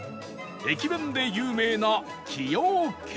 駅弁で有名な崎陽軒